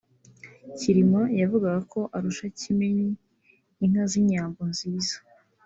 Cyilima yavugaga ko arusha Kimenyi inka z’inyambo nziza